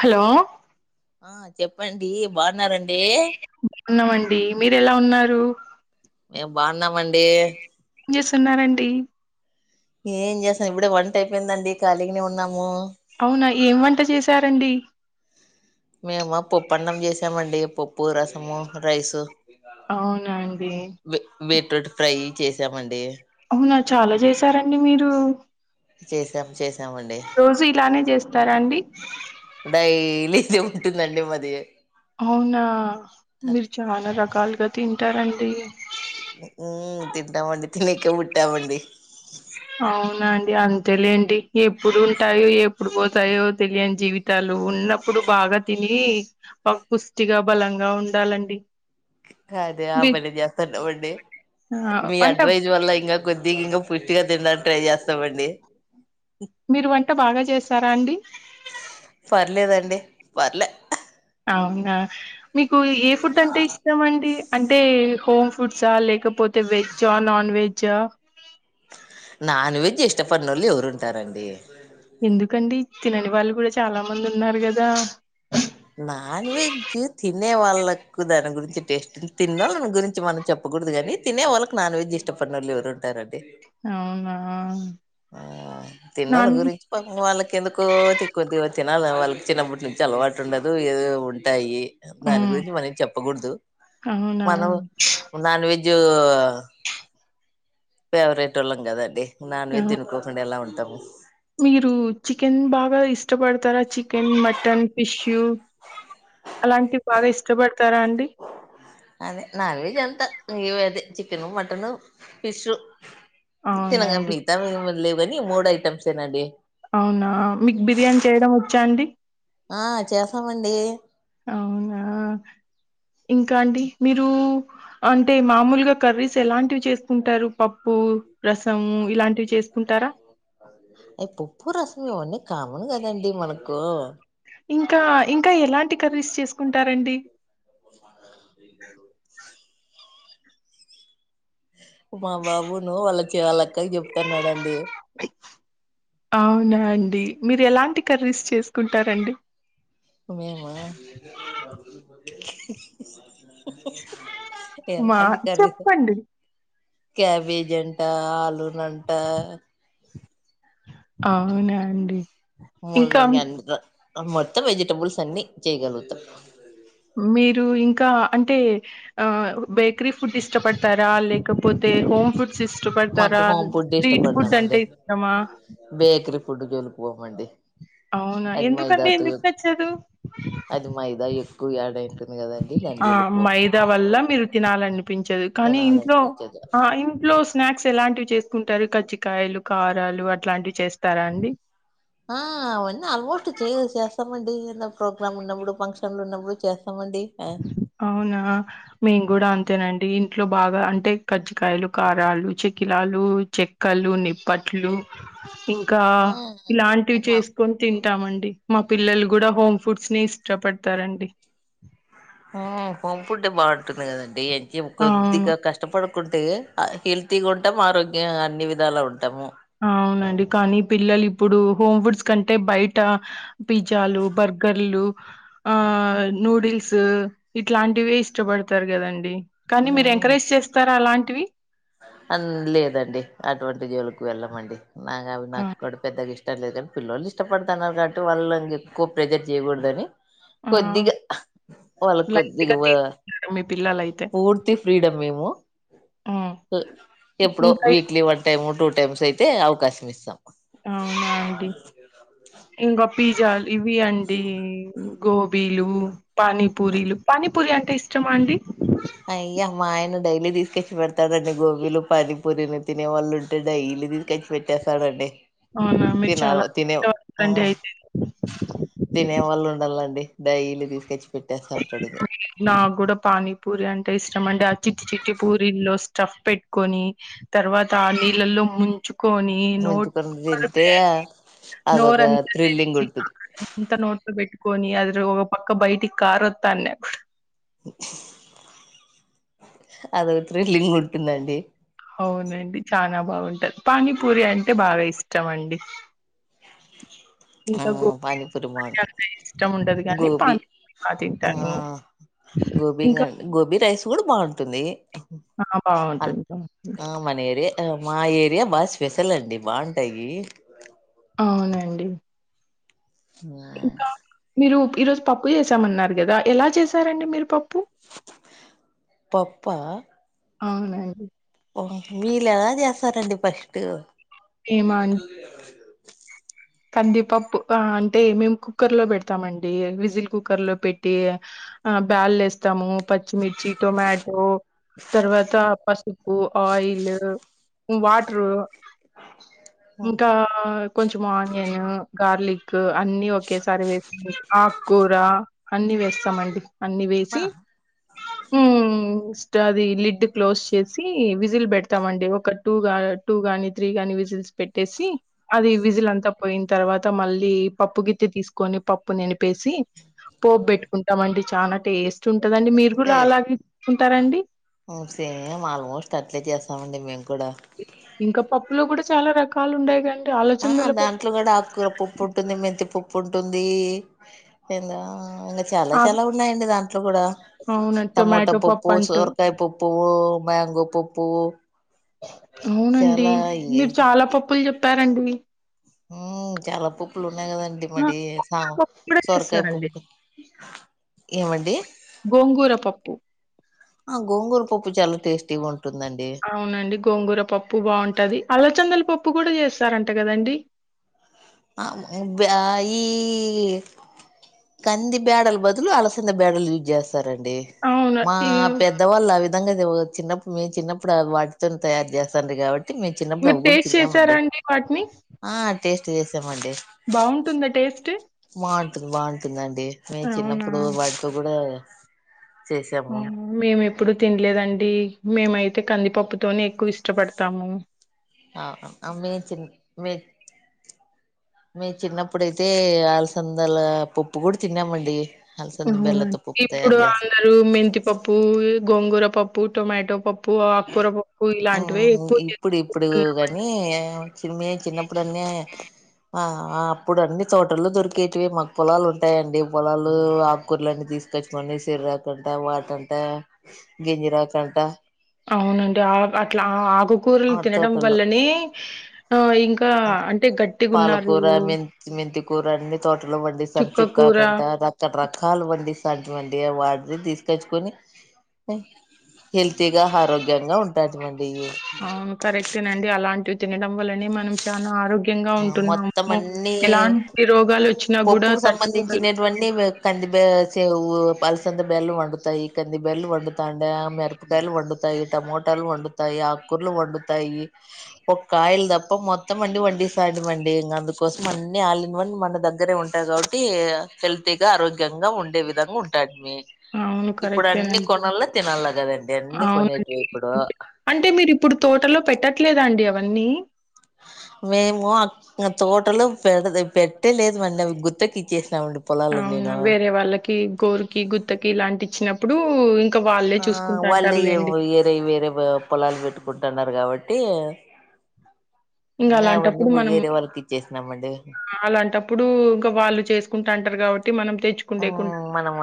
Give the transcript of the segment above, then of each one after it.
Hello ఆ చెప్పండి బాగున్నారండి బాగున్నామండి. మీరు ఎలా ఉన్నారు మేం బాగున్నామండి. ఏం చేస్తున్నారండి. ఏం జేస్తలేం ఇప్పుడే వంట అయిపోయిందండి. ఖాళీగానే ఉన్నాము అవునా ఏం వంట చేసారండి. మేమ పప్పన్నం చేసామండి. పప్పు రసము రైసు అవున అండి బీ బీట్రూట్ ఫ్రై చేసామండి. చాలా చేసారండి. మీరు చేసాం చేసం మండి రోజు ఇలానే చేస్తారా అండి? డైలీ ఉంటుంది. అండి మది అవునా మీరు చాలా రకాలుగా తింటారండి. ఉ తింటామండి తిననీకే పుట్టమండి. అవునా అండి అంతేలేండి ఎప్పుడు ఉంటాయో ఎప్పుడు పోతాయో తెలియని జీవితాలు ఉన్నప్పుడు బాగా బాగా తిని పుష్టిగా బలంగా ఉండాలండి కదా మీ బలే చెప్తన్నావ్ అండి ఆ మీ వంట అడ్వైజ్ వల్ల ఇంకా కొద్దిగా ఇంకా పూష్టి గా తినడానికి ట్రై చేస్తామండి మీరు వంట బాగా చేస్తారా అండి పర్లేదండి పర్లే అవునా మీకు ఏ ఫుడ్ అంటే ఇష్టం అండి అంటే హోమ్ ఫుడ్సా లేకపోతే వెజ్ ఆ నాన్ వెజ్ ఆ నాన్ వెజ్ ఇష్టపడనోళ్ళు ఎవరు ఉంటారండి ఎందుకండి తినని వాళ్ళు కూడా చాలా మంది ఉన్నారు కదా నాన్ వెజ్ తినే వాళ్ళకు దాని గురించి టేస్ట్ తిన్నోళ్ళు గురించి మనం చెప్పు కుడదు కాని తినే వాళ్ళకి నాన్ వెజ్ ఇష్టడనీ వాళ్ళు ఎవరు ఉంటారండి అవునా ఆ తినోళ్ళు నాన్ వెజ్ గురించి పాపం వాళ్ళకి ఎందుకో కొద్దిగా తినాలి వాళ్ళకి చిన్నప్పటి నుంచి అలవాటు ఉండదు ఏధో ఉంటాయి దాని హ్మ్. గురించి మనం చెప్పకూడదు అవునా! మనం నాన్ వెజ్ జో ఫేవరెట్ వొళ్ళాం కదండి నాన్ ఆ! వెజ్ [unintelligible] ఎలా ఉంటాము మీరు చికెన్ బాగా ఇష్టపడతారా చికెన్ మటన్ ఫిష్ అలాంటివి బాగా ఇష్టపడతారా అండి అదే నాన్ వెజ్ అంత అదే చికెను మటన్ ఫిష్ అవునా తినగలను అండి. మిగతా ఏవి లేవు కాని మూడు ఐటమ్స్ ఏ నండి అవునా మీకు బిర్యానీ చేయడం వచ్చా అండి ఆ చేస్తమండి అవునా ఇంకా అండి మీరు అంటే మామూలుగా కర్రీస్ ఎలాంటివి చేసుకుంటారు పప్పు రసము ఇలాంటివి చేసుకుంటారా అవి పప్పు రసం ఇవన్నీ కామన్ కదండి మనకు ఇంకా ఇంకా ఎలాంటి కర్రీస్ చేసుకుంటారండి [inaudible] మా బాబును వాళ్ళ చే అక్కకు చెప్తున్నారండి డి మీరు ఎలాంటి కర్రీస్ చేసుకుంటారు అండి మేము [inaudible] మా ఎలాంటి కర్రీస్ చెప్పండి క్యాబేజ్ అంట ఆలూ నంట అవునా అండి ఇంకా ముల్లంగి అంట మొత్తం వెజిటబుల్స్ అన్ని చేయగలుగుతాం మీరు ఇంకా అంటే ఆ బేకరీ ఫుడ్ ఇష్టపడతారా లేకపోతే హోమ్ ఫుడ్స్ మాకు ఇష్టపడతారా హోమ్ ఫుడ్ స్ట్రీట్ ఫుడ్ ఇష్టపడతామండి అంటే ఇష్టమా పోము అండి అవునా అది మైదా ఎందుకండి తో ఎందుకు నచ్చదు అది మైదా ఏ కూవ యాడ్ కదండి దాని ఆ జోలికి పోము మైదా వల్ల మీరు తినాలనిపించదు కానీ ఇంట్లో తినాలనిపించదు ఆ ఇంట్లో లో స్నాక్స్ ఎలాంటివి చేసుకుంటారు కజ్జికాయలు కారాలు అట్లాంటివి చేస్తారా అండి ఆ అవన్నీ ఆల్మోస్ట్ చే చేస్తామండి ప్రోగ్రామ్ ఉన్నప్పుడు ఫంక్షన్లు ఉన్నప్పుడు చేస్తా అవునా మేము కూడా ఆ అంతేనండి ఇంట్లో బాగా అంటే కజ్జికయలు, కారాలు, చెకిలాలు, చెక్కలు, నిప్పట్లు ఇంకా ఆ ఇలాంటివి అలా చేసుకొని తింటామండి మా పిల్లలు కూడా హోమ్ ఫుడ్స్ నే ఇష్టపడతారండి ఊ హోంపుడే బాగుంటుంది కదండి ఎంచెపు అవును కొద్దిగా కష్టపడి కుంటే హెల్తీగా ఉంటాం ఆరోగ్యం అన్ని విధాల ఉంటాము అవునండి కానీ పిల్లలు ఇప్పుడు హోమ్ ఫుడ్స్ కంటే బయట పిజ్జాలు బర్గర్లు ఆ నూడిల్స్ ఇట్లాంటివే ఇష్టపడతారు కదండి కానీ మీరు ఎంకరేజ్ చేస్తారా అలాంటివి అ లేదండి అటువంటి జోలికి వెళ్ళమండి నాకు అవి ఆ నాకు కూడా పెద్దగా ఇష్ ష్టం లేదు కానీ పిల్లలు ఇష్టపడుతున్నారు కాబట్టి వాళ్ళున్ ఎక్కు ప్రెజర్ చేయకూడదని ఆ కొద్దిగా వాళ్ళ క్ లైట్ కొద్దిగా గా ఆ తీసుకుంటారు మీ పిల్లలయితే పూర్తి ఫ్రీడమ్ మేము హ్మ్ ఎప్పుడో ఇంకా ఇ weekly one time two times అయితే అవకాశం ఇస్తాం అవునాండి ఇంకా పిజాల్ ఇవి అండి గోబీలు పానీపూరలు పానీపూరి అంటే ఇష్టమా అండి అయ్యమ్మా ఆయన డైలీ తీసుకొచ్చి పెడతాడుడి గోబీలు పనీ పూరిని తినేవాళ్ళు ఉంటే డైలీ [unintelligible] పెట్టేస్త డండి అవునా మీరు తినను చాలా తినే ఆ ఇష్టపడతారండి అయి తినే వాళ్ళు ఉండాలండి డైలీ తీసుకచ్ నాకు కూడా పానీపూరి అంటే ఇష్టం అండి ఆ చిట్టి చిట్టి పూరీలోస్ స్టఫ్ పెట్టుకొని తర్వాత ఆ నీళ్ళల్లో ముంచు కొనీ నోట్ ఉంచుకొని పేట్టుకోవడమే తింటే అండి అదొక నోర్ంత థ్రిల్లింగ్ తెలిచి ఉంటుంది అంత నోట్లో పెట్ కోని అది ఒక పక్క బయటికి కారోతాన అదో త్రిలింగ్ ఉంటుందండి అవునండి చాలా బాగుంటది పానీపూరి అంటే బాగా ఇష్టం అండి ఆ ఇంకా గోబి పానీపూరి అన్ బాగుంటుంది అంత ఇష్టం ఉండదు కానీ పాన్ బా తింటాను గోబీగా ఇంకా గోబీ రైస్ కూడా బాగుంటుంది ఆ అ బాగుంటుంది ఆ మనేరే ఆ మా ఏరియా బాగా స్పెషల్ అండి బాగుంటాయి అవునండి మ్ ఈ రోజు పప్పు చేసామన్నారు కదా ఎలా చేశారండి మీరు పప్పు పప్పా అవునండి మీలేలా చేస్తారండి ఫస్ట్ కందిీపప్పు అంటే మేము కుక్కర్ లో పెడుతామండి విజిల్ కుక్కర్ లో పెట్టి ఆ బ్యాల్లు వేస్తాము పచ్చిమిర్చి టొమాటో తర్వాత పసుప్ పు ఆయిల్ వాటరు ఇంకా కొంచెం అనియన్ గార్లిక్ క్ అన్ని ఒకేసారి వేసి ఆకుకూర అన్ని వేస్తామండి అన్నిీ వేసి మ్ మ్ అది లిడ్ క్లోజ్ చేసి విజిల్ పెడతామండి ఒక టూ టూ గానీ త్రీ గాని విజిల్స్ పెట్టేసి అది విజిల్ అంతా పోయిన తర్వాత మళ్ళీ పప్పు గితి తీసుకొని పప్పు ననిపేసి పోపు పెట్టుకుంటాం అండి చాలా టేస్ స్ట్ ఉంటదండి మీరు కూడా అంటే అలాగేసుకుంటారండి అవునండి మేము కూడా ఇంకా పప్పులో కూడా చాలా రకాలు ఉండయ్ గా అం ఆ దాంట్లో కూడా ఆకుర పప్పు ఉంటుంది మెంతిపప్పు ఉంటుంది ఎందా ఇంగ చాలా ఆహ్, చాలా ఉన్నాయండి దాంట్లో కూడా అవునండి. టమోటా టొమాటో పప్పు అంటూ సోరకాయ పప్పు మ్యాంగో పప్పు అవునండి చాలా ఈ మీరు చాలా పప్పులు చెప్పారండి ఉ చాలా పప్పులు ఉన్నాయి కదండి ఆ! మడి సా గోంగూర పప్పు గూడా సొరకాయ చేస్తారండి. పప్పు [inaudible] ఏమండి గోంగూర పప్పు ఆ గోంగూర పప్పు చాలా టేస్ట్టీ ఉంటు బావునండి గోంగూర పప్పు బాగుంటది ఆలోచందలు పప్పు కూడా చేస్తారంట కదండి ఆ ఈ కంది బ్యాడల్ బదులు అలసంద బ్యాడల్ యూజ్ చేస్త స్తారండి అవును. మా ఈ పెద్దవాళ్ళు ఆ విధంగా ఇవ చిన్నప్పుడు మేము చిన్నప్పుడు వాటితోని తయారు చేస్తాండ్రి కాబట్టి అే మేము చిన్నప్పుడు అ మీరు కూడా టేస్ట్ చేసారా తిన్నామండి అండి ఆ టేస్ట్ చేసామండి బాగుంటుంద టె బాగుంటుంది బాగుంటుందండి మేము అవునా! చిన్నప్పుడు వాటితో కూడా చేసాము మేము ఎప్పుడు తినలేదండి మేమైతే అయితే కందిపప్పుతోనే ఎక్కువ ఇష్టపడతాము ఆ మీ చి మీ మేము చిన్నప్పుడైతే అలసందల పప్పు కూడా తిన్నామండి అలసంద అవునండి బెల్లతో పప్పు ఇప్పుడు తయారు చేస్త అందరూ మెంతిపప్పు గోంగూర పప్పు టొమాటో పప్పు ఆకుకూర పప్పు ఇలాంటివే ఎక్కువ ఇప్పుడు ఇప్పుడు చేసుకుంటున్నామండి. కాని చి చిన్నప్పుడు అన్నీ ఆ ఆ అప్పుడు అండి తోటల్లో దొరికేటివి మాకు పొలాలు ఉంటాయండి పొలాలు ఆకుకూరలన్నీ తీసుకొచ్చుమండి శర కంట వాట అంట గింజిరా కంట అవునండి ఆ అట్లా ఆకుకూరలు ఆ తినడం తోటల్లో వల్లనే ఆహ్, ఇంకా అంటే పాలకూర గట్టిగున్నారు. మెంత మెంత కూూర అన్ని తోటలో పండిస్తాను చుక్క చుక్కా కూర కంట రకరకాలు వడి [unintelligible] వాడి తీసుకొచ్చుకని హెల్తీగా ఆరోగ్యంగా ఉంటాంది మ అవును కరెక్ట్నండి అలాంటివి తినడం వల్లనే మనం చాలా ఆరోగ్య ఆ మొత్తం అన్నీ రోగాలు వచ్చినా కూడా పప్పుకు తట్టుకోగలుగుతాం సంబంధించినటువన్నీ కంది సేవు పల్సంత బెల్లు వండుతాయి కంది బెల్లు వండుతా అండా మెరపకాయలు వండుతాయి టమోటా వండుతాయి ఆకుర్లు వండుతాయి ఒక కాయలు తప్ప మొత్తం అండి వండిస్త సాధమండి ఇంకా అందుకోసం అన్ని ఆలిన్ వన్ మన దగ్గరే ఉంటాయి కాబట్టి హెల్తీగా ఆరోగ్యంగా ఉంగా ఉండే విధంగా ఉంటాడు మీ అవును ఇప్పుడు అన్ని కరెక్టేనండి కొనల్లో తినాల కదండి అన్ని కొనేటి అవునండి ఇప్పుడు అంటే మీరు ఇప్పుడు తోటలో పెట్టట్లేదండి అవన్నీ మేము అ తోటలో పెడ పెట్టే లేదమండి అవి గుతుకి ఇచ్చేసినామండి పొలాలు అవునా నేను వేరే వాళ్ళకి గోరుకి గుత్తకి ఇలాంటి ఇచ్చినప్పుడు వాళ్ళే ఆ చూసుకుంటా వాళ్ళే అంటారులేండి వేరే వేరే పొలాలు పెట్టుకుంటున్నారు కాబట్టి టి ఇంకా అలాంటప్పుడు మనం ఇచ్చేసినామండి అలాంటప్పుడు ఇంకా వాళ్ళు చేసుకుంటూ అంటారు కాబట్టి మనం తెచ్చుకుండేకు మనము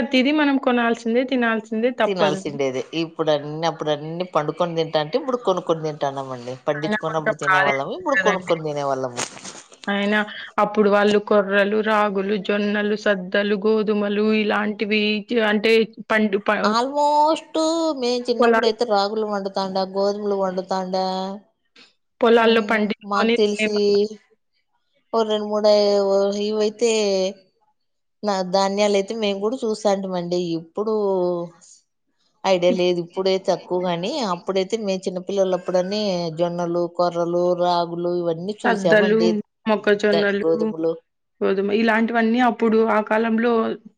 ఇతిదది మనం కొనాల్సిందే తినాల్సి తినాల్సిండేది ఇప్పుడు అన్ని అప్పుడు అన్ని పండుకొని తింటా అంటే ఇప్పుడు కొనుక్కొని తింటానమండి అయినా కొంచెం పండించుకున్నప్పుడు తినే వాళ్ళము బాధేస్తది ఇప్పుడు కదండి కొనుక్కొని తినే వాళ్ళము అయినా అప్పుడు వాళ్ళు కొర్రలు రాగులు జొన్నలు సద్దలు గోధుమలు ఇలాంటివి అంటే పండు ప ఆల్మోస్ట్ మేము పొలాలు చిన్నప్పుడుయితే రాగులు వండుతాండి గోది దుములు పండుతాంట పొలాల్లో అవును మాత్ పండించుకొని తెల్సి తినేవాళ్ళం. అ రెం మూడు ఇవయితే నా ధాన్యాలు అయితే మేము కూడా చూస్తా అంటమండి ఇప్పుడు ఐడియా ఇప్ లేదు ఇప్పుడే తక్కువ గాని అప్పుడైతే మే చిన్న పిల్లల అప్పుడని జొన్నలు కొర్రలు రాగులు లు ఇవన్నీ సద్దలు, చూసామండి గోధుమలు గోదుమ ఇలాంటివన్నీ అప్పుడు ఆ కాలంలో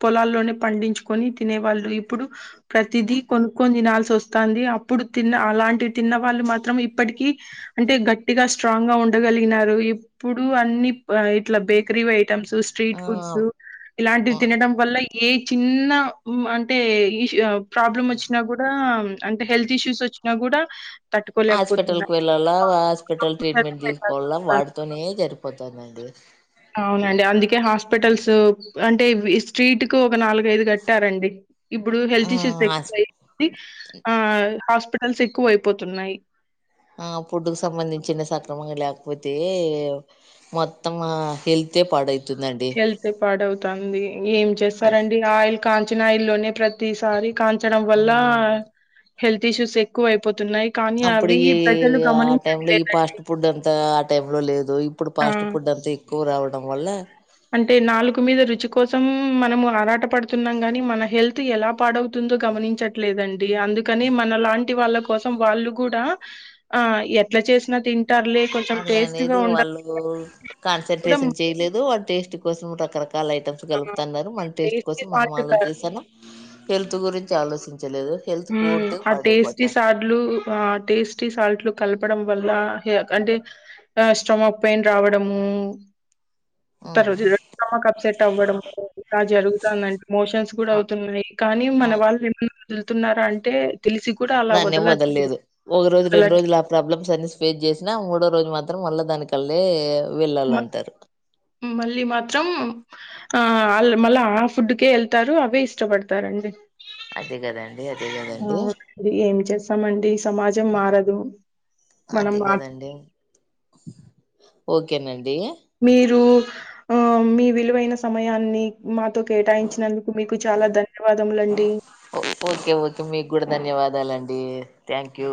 పొలాల్లోనే పండించుకొని తినే వాళ్ళు ఇప్పుడు ప్రతిదీ కొను కొన్ని నాల్స వంది అప్పుడు తిన్న అలాంటివి తిన్న వాళ్ళు మాత్రం ఇప్పటిక అంటే గట్టిగా స్ట్రాంగ్ గా ఉ ఉండగలిగినారు ఇప్పుడు అన్ని ఇట్లా బేకరీ వై మ్ ఆ స్ట్రీట్ ఫుడ్స్ ఇలాంటివి అవును తినడం వల్ల ఏ చిన్న అంటే ఈ ప్రాబ్లమ్ వచ్చినా కూడా అంటే హెల్త్ ఇష్యూస్ వచ్చినా కూడా హాస్పిటల్ క వెళ్ళాల హాస్పిటల్ ట్రీట్మెంట్ దీసుకోల తట్టుకోలేకపోతున్నారు వాడుతనే సరిపోతుందండి అవునండి అందుకే హాస్పిటల్స్ అంటే స్ట్రీట్ కు ఒక నాలుగైదు కట్టారండి ఇప్పుడు ఆ హెల్త్ ఇష్యూస్ ఎవ హాస్ అంది ఆ హాస్పిటల్స్ ఎక్కువ అయిపోతున్నాయి ఆ పుడ్డుకు సంబంధించి చిన్న సక్రమం కాకపోతే మొత్తం హెల్తే పడవుతు హెల్త్ పాడవుతుంది ఏం చేస్తారండి ఆయిల్ కాంచిన ఇల్లోనే ప్రతిసారి కాంచడం వల్ల ఉమ్. హెల్త్ ఇష్యూస్ ఎక్కువ అయిపోత అప్పుడు ఈ ఆ టై లో ఈ గమనించట్లేదండి. ఫాస్ట్ ఫుడ్ అంత ఆ టై లో లేదు ఇప్పుడు ఫాస్ట్ ఆ! ఫుడ్ త ఎక్కువ రావడం వల్ల అంటే నాలుగు మీద రుచి కోసం మనము ఆరాట పడుతున్నాం గాని మన హెల్త్ ఎలా పాడవుతుందో గమనించట్లేదండి అందుకని మన లాంటి వాళ్ళ కోసం వాళ్ళు కూడా ఆ ఎట్లా చేసినా తి అళ అనేది వాళ్ళు కూడా కాన్సన్ంట్రేషన్ చేయలేదు వాళ్ళ టేస్ట్ కోసం రకరకాల చాలా ఐటమ్స్ ఆ కలుపుతున్నారు మన టేస్ట్ టేస్టీ కోసం మనం సాల్ట్ ఆలోచిస్తాను హెల్త్ గురించి ఆలోచించలేదు హెల్త్ హ పూర్తిగా ఆ టేస్టీ పాడైపోతంది సాట్లు ఆ టేస్టీ సాల్ట్లు కల్పు వల్ అంటే స్టమక్ పెయిన్ రావ తరజమప్సెట్ అవ్వడ ఇలా జరుగుతుందంటే మోషన్స్ కూడా అవుతున్నాయి కానీ మన వాళ్ళ వెళ్తున్నారుర అంటే దాన్నేం వదలట్లేదు. వదలేదు ఒక రోజు రెండు వదలట్లేదు. రోజులు ఆ ప్రాబ్లమ్స్ అన్ని ఫేస్ చేసి మూడో రోజు మాత్రం మళ్ళా దాని కళ్ళ వెళ్ళాల మ అంటారు మళ్ళీ మాత్రం ఆ వా మళ్ళా ఆ ఫుడ్కే వెళ్తారు అవే ఇష్టపడతారండి అదే కదండి అదే ఆ కదండి ఏం చేస్తామండి సమాజం మారదు మనం అదే మా కదండి ఓకేనండి మీరు ఆ మీ విలువైన సమయాన్ని మా తో కేటాయించినందుకు మీకు చాలా ధన్యవాదములండి ఓ- ఓకే ఓకే మీకు కూడా ధన్యవాదాలండి థ్యాంక్ యూ